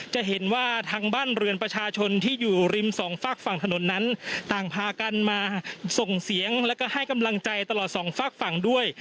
จะเห็นว่าทางบ้านเรือนประชาชนที่อยู่ริมสองฝากฝั่งถนนนั้นต่างพากันมาส่งเสียงแล้วก็ให้กำลังใจตลอดสองฝากฝั่งด้วย